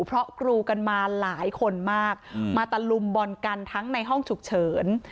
เพราะกรูกันมาหลายคนมากมาตะลุมบอลกันทั้งในห้องฉุกเฉิน